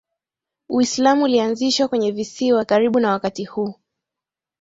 Uislam ulianzishwa kwenye visiwa karibu na wakati huu